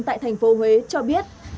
tại thành phố huế cho biết